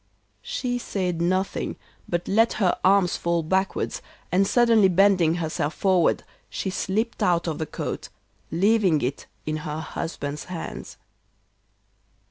She said nothing, but let her arms fall backwards, and suddenly bending herself forward, she slipped out of the coat, leaving it in her husband's hands.